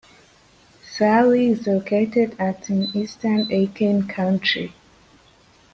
Salley is located at in eastern Aiken County.